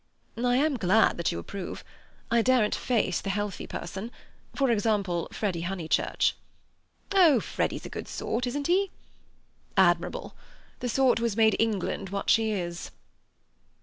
"I am glad that you approve. I daren't face the healthy person—for example, Freddy Honeychurch." "Oh, Freddy's a good sort, isn't he?" "Admirable. The sort who has made England what she is."